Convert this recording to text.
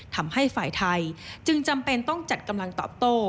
ทำให้ฝ่ายไทยจึงจำเป็นต้องจัดกำลังตอบโต้